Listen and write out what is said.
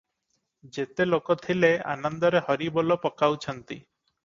ଯେତେ ଲୋକ ଥିଲେ, ଆନନ୍ଦରେ ହରିବୋଲ ପକାଉଛନ୍ତି ।